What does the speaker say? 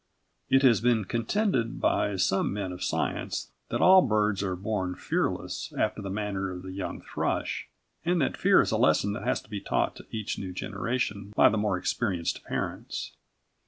It has been contended by some men of science that all birds are born fearless after the manner of the young thrush, and that fear is a lesson that has to be taught to each new generation by the more experienced parents.